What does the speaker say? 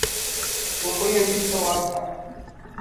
وہ کوئی عجیب سوال تھا